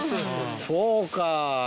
そうか。